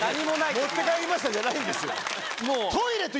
「持って帰りました」じゃないんですよ。